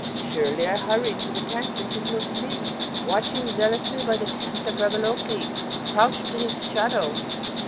Surely, I hurried to the tents and took no sleep, watching zealously by the tent of Ravaloke, crouched in its shadow.